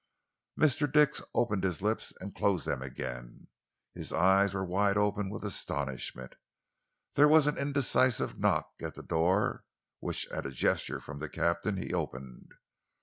Mr. Dix opened his lips and closed them again. His eyes were wide open with astonishment. There was an indecisive knock at the door, which at a gesture from the captain he opened.